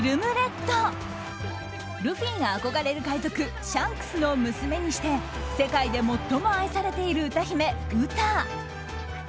ルフィが憧れる海賊シャンクスの娘にして世界で最も愛されている歌姫ウタ。